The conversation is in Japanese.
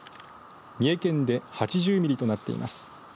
三重県で８０ミリとなっています。